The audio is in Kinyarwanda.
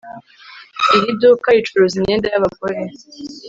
Iri duka ricuruza imyenda yabagore